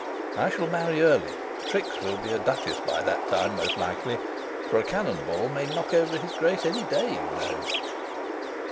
I shall marry early Trix will be a duchess by that time, most likely; for a cannon ball may knock over his grace any day, you know."